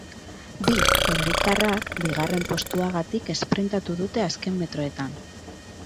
Bi belgikarrak bigarren postuagatik esprintatu dute azken metroetan.